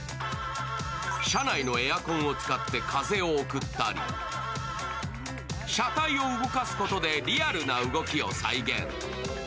車内のエアコンを使って風を送ったり、車体を動かすことでリアルな動きを再現。